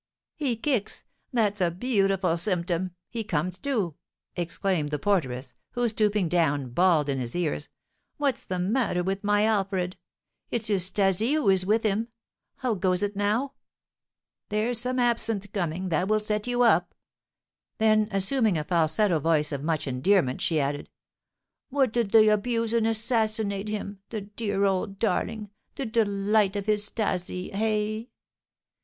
"He kicks, that's a beautiful symptom! He comes to!" exclaimed the porteress, who, stooping down, bawled in his ears, "What's the matter with my Alfred? It's his 'Stasie who is with him. How goes it now? There's some absinthe coming, that will set you up." Then, assuming a falsetto voice of much endearment, she added: "What, did they abuse and assassinate him, the dear old darling, the delight of his 'Stasie, eh?"